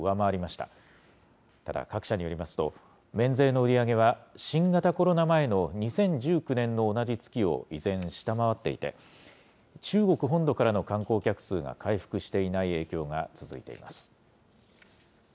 ただ、各社によりますと、免税の売り上げは、新型コロナ前の２０１９年の同じ月を依然、下回っていて、中国本土からの観光客数が回復していない影響が続いています。